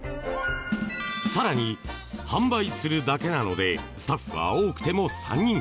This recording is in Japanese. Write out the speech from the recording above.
更に、販売するだけなのでスタッフは多くても３人。